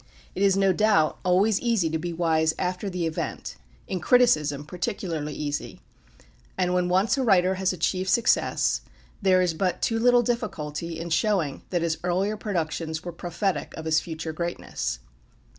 It is, no doubt, always easy to be wise after the event, in criticism particularly easy, and when once a writer has achieved success, there is but too little difficulty in showing that his earlier productions were prophetic of his future greatness.